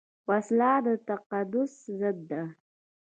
وسله د تقدس ضد ده